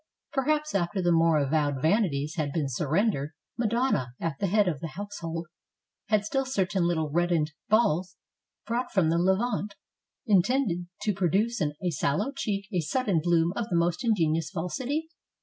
Perhaps, after the more avowed vanities had been surrendered. Madonna, at the head of the household, had still certain little reddened balls brought from the Levant, intended to produce on a sallow cheek a sudden bloom of the most ingenuous falsity?